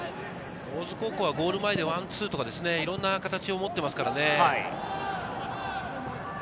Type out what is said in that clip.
大津高校はゴール前でワンツーとか、いろんな形を持っていますからね。